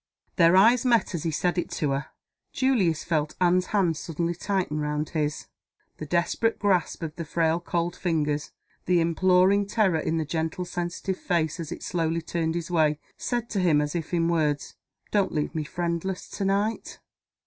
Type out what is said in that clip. Their eyes met as he said it to her. Julius felt Anne's hand suddenly tighten round his. The desperate grasp of the frail cold fingers, the imploring terror in the gentle sensitive face as it slowly turned his way, said to him as if in words, "Don't leave me friendless to night!"